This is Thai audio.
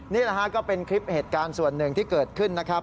นี่แหละฮะก็เป็นคลิปเหตุการณ์ส่วนหนึ่งที่เกิดขึ้นนะครับ